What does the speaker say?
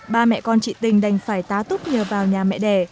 ba mẹ con chị tình đành phải tá túc nhờ vào nhà mẹ đẻ